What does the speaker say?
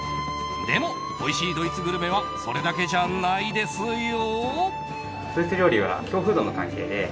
でもおいしいドイツグルメはそれだけじゃないですよ。